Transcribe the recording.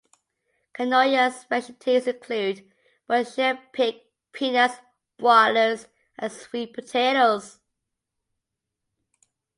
Kanoya's specialties include Berkshire pig, peanuts, broilers, and sweet potatoes.